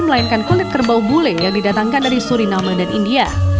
melainkan kulit kerbau bule yang didatangkan dari surinama dan india